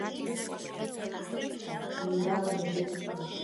მე ვარ მეგი